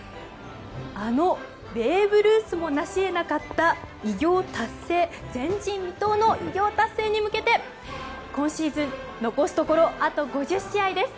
あのベーブ・ルースも成し得なかった前人未到の偉業達成に向けて今シーズン残すところあと５０試合です。